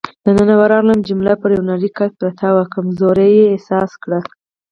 دننه ورغلم، جميله پر یو نرۍ کټ پرته وه، کمزوري یې احساس کړه.